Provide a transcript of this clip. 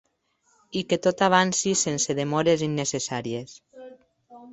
I que tot avanci sense demores innecessàries.